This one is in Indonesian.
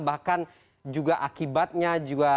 bahkan juga akibatnya